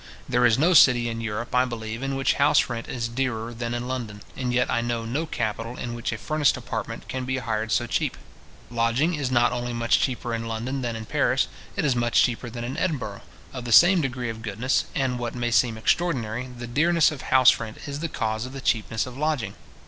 There is no city in Europe, I believe, in which house rent is dearer than in London, and yet I know no capital in which a furnished apartment can be hired so cheap. Lodging is not only much cheaper in London than in Paris; it is much cheaper than in Edinburgh, of the same degree of goodness; and, what may seem extraordinary, the dearness of house rent is the cause of the cheapness of lodging.